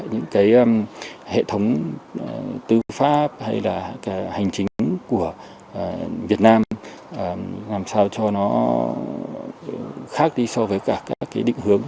những hệ thống tư pháp hay là hành chính của việt nam làm sao cho nó khác đi so với các định hướng